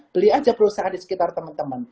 beli aja perusahaan di sekitar teman teman